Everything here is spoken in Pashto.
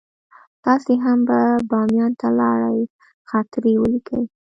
تاسې هم که باميان ته لاړئ خاطرې ولیکئ.